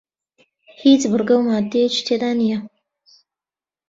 هیچ بڕگە و ماددەیەکی تێدا نییە